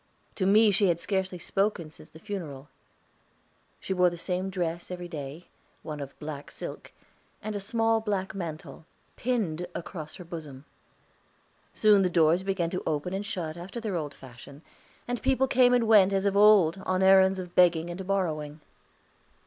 To me she had scarcely spoken since the funeral. She wore the same dress each day one of black silk and a small black mantle, pinned across her bosom. Soon the doors began to open and shut after their old fashion, and people came and went as of old on errands of begging or borrowing.